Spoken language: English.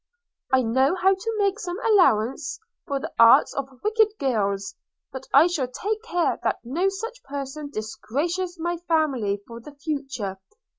I know how to make some allowance for the arts of wicked girls; but I shall take care that no such person disgraces my family for the future.